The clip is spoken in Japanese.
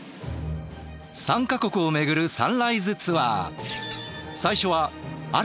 ３か国を巡るサンライズツアー。